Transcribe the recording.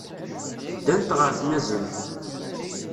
Ddant ɣer tnazent.